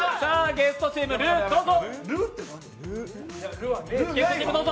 ゲストチーム、どうぞ。